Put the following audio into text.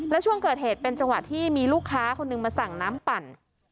แล้วช่วงเกิดเหตุเป็นจังหวะที่มีลูกค้าคนหนึ่งมาสั่งน้ำปั่น